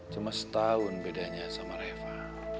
cuma setahun bedanya sama reva